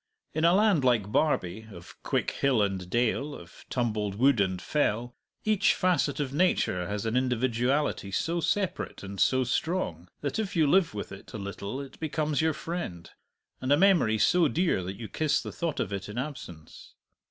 In a land like Barbie, of quick hill and dale, of tumbled wood and fell, each facet of nature has an individuality so separate and so strong that if you live with it a little it becomes your friend, and a memory so dear that you kiss the thought of it in absence.